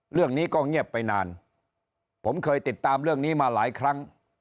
เรื่องนี้ก็เงียบไปนานผมเคยติดตามเรื่องนี้มาหลายครั้ง